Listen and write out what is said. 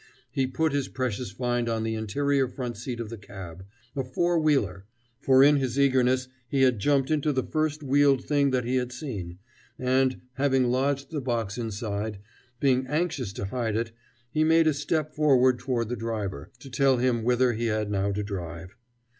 He put his precious find on the interior front seat of the cab a four wheeler; for in his eagerness he had jumped into the first wheeled thing that he had seen, and, having lodged the box inside, being anxious to hide it, he made a step forward toward the driver, to tell him whither he had now to drive.